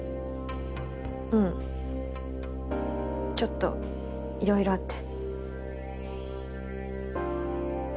うんちょっと色々あって。